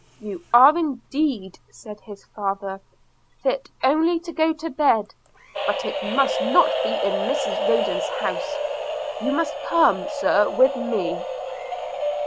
'You are indeed,' said his father, 'fit only to go to bed; but it must not be in Mrs Rayland's house – you must come, Sir, with me.'